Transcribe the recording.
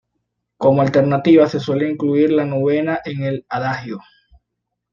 Como alternativa, se suele concluir la "Novena" en el "Adagio".